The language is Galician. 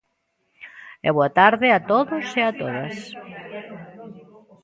E boa tarde a todos e a todas.